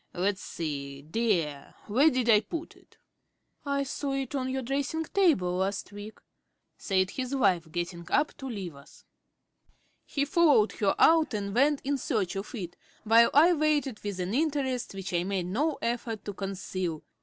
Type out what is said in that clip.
Let's see, dear; where did I put it?" "I saw it on your dressing table last week," said his wife, getting up to leave us. He followed her out and went in search of it, while I waited with an interest which I made no effort to conceal.